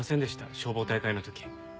消防大会の時。